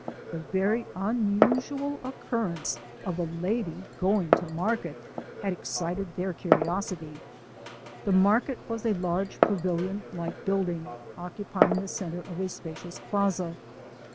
The very unusual occurrence of a lady going to market had excited their curiosity. The market was a large, pavilion like building, occupying the cen ter of a spacious plaza.